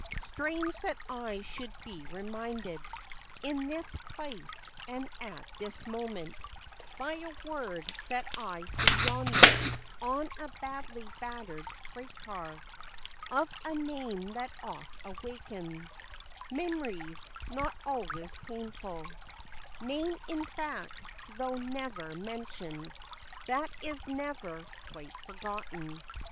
Strange that I should be reminded, In this place, and at this moment, By a word that I see yonder On a badly battered freight car, Of a name that oft awakens Memories, not always painful— FACTS AND FANCIES. 89 Name, in fact, tho' never mentioned, That is never quite forgotten.